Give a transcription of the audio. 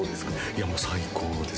いやもう最高です。